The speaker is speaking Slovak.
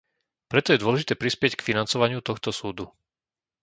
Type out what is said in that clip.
Preto je dôležité prispieť k financovaniu tohto súdu.